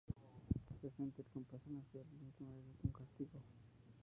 Es sentir compasión hacia alguien que merece un castigo.